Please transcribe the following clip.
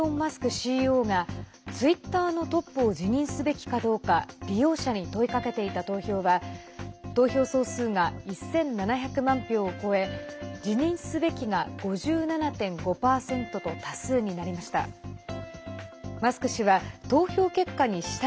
ＣＥＯがツイッターのトップを辞任すべきかどうか利用者に問いかけていた投票は投票総数が１７００万票を超え辞任すべきが５７．５％と多数になりました。